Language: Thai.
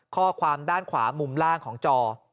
ข้อความด้านขวามุมล่างของจอ